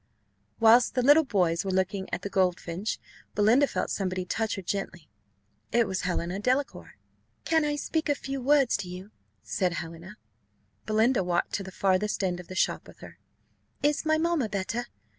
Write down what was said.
Whilst the little boys were looking at the goldfinch, Belinda felt somebody touch her gently: it was Helena Delacour. "Can I speak a few words to you?" said Helena. Belinda walked to the farthest end of the shop with her. "Is my mamma better?"